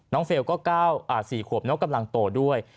น้องเฟลก็ก้าว๔ขวบน้องกำลังโตด้วย